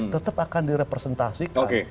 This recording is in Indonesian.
tetap akan direpresentasikan